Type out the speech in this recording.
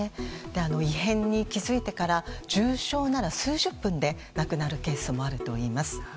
異変に気づいてから重症なら数十分で亡くなるケースもあるといいます。